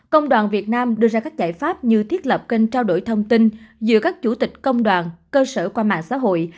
đồng thời công đoàn các cấp cần phó đổi thông tin giữa các chủ tịch công đoàn cơ sở qua mạng xã hội